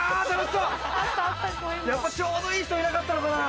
やっぱちょうどいい人いなかったのかな？